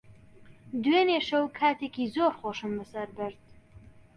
دوێنێ شەو کاتێکی زۆر خۆشم بەسەر برد.